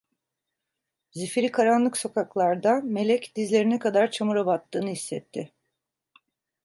Zifiri karanlık sokaklarda Melek dizlerine kadar çamura battığını hissetti.